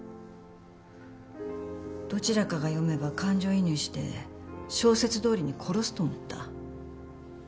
どちらかが読めば感情移入して小説どおりに殺すと思った。